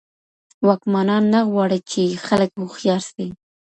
واکمنان نه غواړي چي خلګ هوښیار سي.